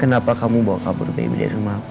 kenapa kamu bawa kabur bayi dari rumah aku